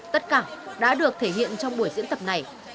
tất cả đã được thể hiện trong buổi diễn tập này